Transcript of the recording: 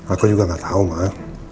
aku juga nggak tahu mbak